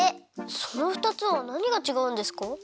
そのふたつはなにがちがうんですか？